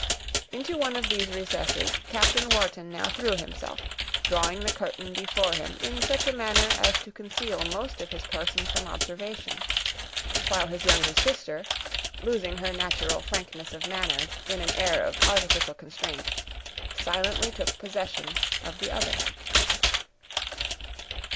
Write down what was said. Into one of these recesses Captain Wharton now threw himself, drawing the curtain before him in such a manner as to conceal most of his person from observation; while his younger sister, losing her natural frankness of manner, in an air of artificial constraint, silently took possession of the other.